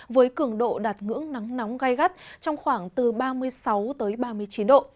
với cường độ đạt ngưỡng nắng nóng gai gắt trong khoảng từ ba mươi sáu ba mươi chín độ